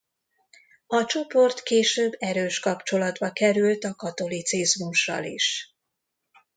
A csoport később erős kapcsolatba került a katolicizmussal is.